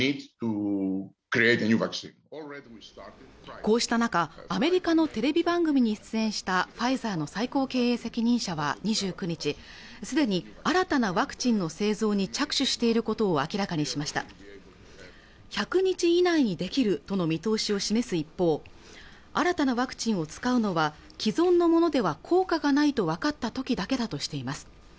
こうした中アメリカのテレビ番組に出演したファイザーの最高経営責任者は２９日すでに新たなワクチンの製造に着手していることを明らかにしました１００日以内にできるとの見通しを示す一方新たなワクチンを使うのは既存のものでは効果がないと分かった時だけだとしています